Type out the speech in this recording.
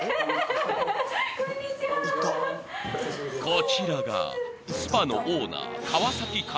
［こちらがスパのオーナー］